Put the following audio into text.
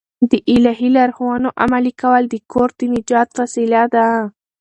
د الهي لارښوونو عملي کول د کور د نجات وسیله ده.